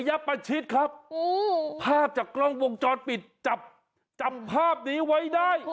ระยะปัจจิตครับภาพจากกล้องวงจรปิดจำภาพนี้ไว้ได้